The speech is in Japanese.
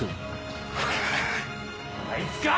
あいつか！